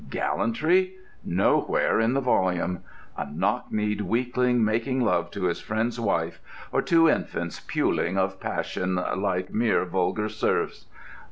Gallantry? Nowhere in the volume. A knock kneed weakling making love to his friend's wife, or two infants puling of passion like mere vulgar serfs....